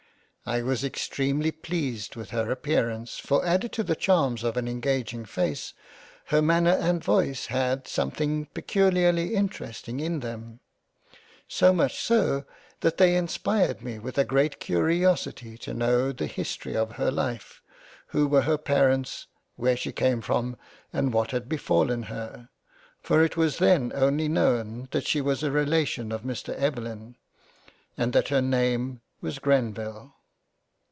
I was extremely pleased with her appear ance, for added to the charms of an engaging face, her manner and voice had something peculiarly interesting in them. So much so, that they inspired me with a great curiosity to know 114 £ A COLLECTION OF LETTERS £ the history of her Life, who were her Parents, where she came from, and what had befallen her, for it was then only known that she was a relation of Mr Evelyn, and that her name was Grenville.